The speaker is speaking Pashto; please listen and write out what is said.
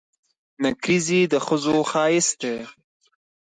نکریزي د ښځو ښایست دي.